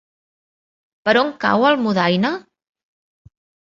Per on cau Almudaina?